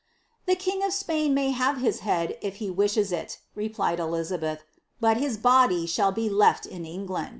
"The ting of Spain may have his head, if he wishes iu" re Ehzahelh. " hut hi? body shall he left in Englan